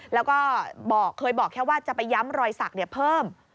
แล้วก็เคยบอกแค่ว่าจะไปย้ำรอยสักเพิ่ม